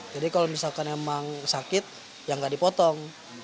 jadi kalau misalkan emang sakit ya nggak dipotong